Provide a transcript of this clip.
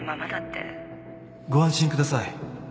ご安心ください